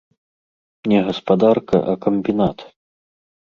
Не гаспадарка, а камбінат!